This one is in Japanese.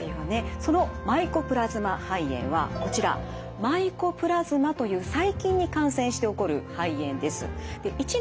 そのマイコプラズマ肺炎はこちらマイコプラズマという細菌に感染して起こる肺炎です。